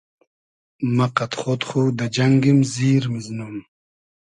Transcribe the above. مۂ قئد خۉد خو دۂ جئنگیم زیر میزنوم